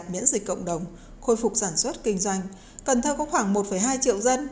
trong vùng đất dịch cộng đồng khôi phục sản xuất kinh doanh cần thơ có khoảng một hai triệu dân